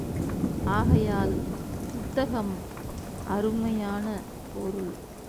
ஆகையால், புத்தகம் அருமையான பொருள்.